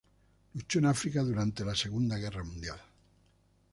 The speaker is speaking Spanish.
Luchó en África durante la Segunda Guerra Mundial.